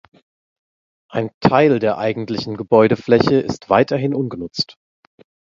Ein Teil der eigentlichen Gebäudefläche ist weiterhin ungenutzt.